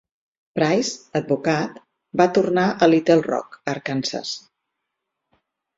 Price, advocat, va tornar a Little Rock, Arkansas.